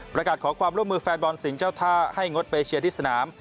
ประกาศขอความร่วมมือแฟนบอลสิ่งเจ้าท่าให้งดไปเชียร์ที่สนาม